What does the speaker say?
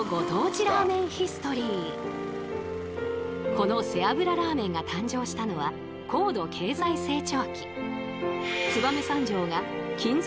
この背脂ラーメンが誕生したのは高度経済成長期。